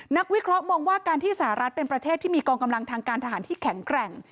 วิเคราะห์มองว่าการที่สหรัฐเป็นประเทศที่มีกองกำลังทางการทหารที่แข็งแกร่ง